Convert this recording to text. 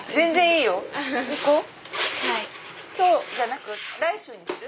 今日じゃなくて来週にする？